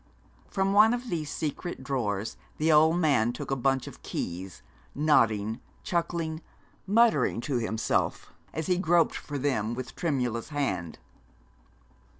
From one of these secret drawers the old man took a bunch of keys, nodding, chuckling, muttering to himself as he groped for them with tremulous hand.